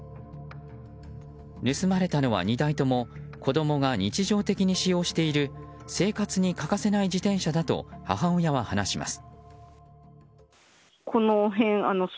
盗まれたのは２台とも子供が日常的に使用している生活に欠かせない自転車だと母親は話します。